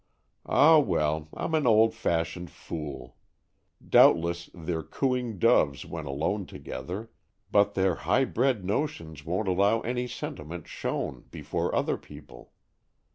Ah, well, I'm an old fashioned fool. Doubtless, they're cooing doves when alone together, but their high bred notions won't allow any sentiment shown before other people.